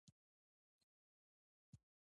موټر په یوه لوی میدان کې ودرېدل.